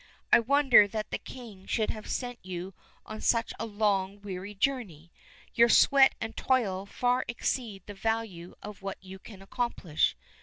I wonder that the king should have sent you on such a long weary journey. Your sweat and toil far exceed the value of what you can accomplish.